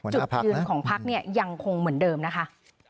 จุดยืนของพักเนี่ยยังคงเหมือนเดิมนะคะ